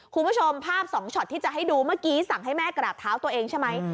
คุณผู้ชมภาพ๒ช็อตที่จะให้ดูเมื่อกี้สั่งให้แม่กราบเท้าตัวเองใช่ไหม